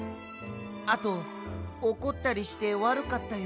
あとおこったりしてわるかったよ。